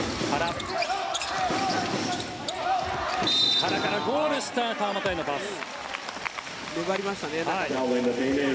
原からゴール下川真田へのパス。